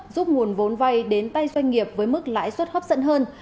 giúp nguồn vốn vay đến tay doanh nghiệp với mức lãi suất hấp dẫn hơn